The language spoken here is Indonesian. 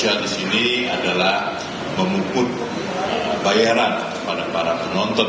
yang diperbolehkan oleh mnc group yang diperbolehkan oleh mnc group